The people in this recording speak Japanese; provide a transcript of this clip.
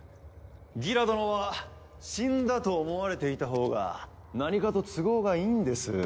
ギラ殿は死んだと思われていたほうが何かと都合がいいんです。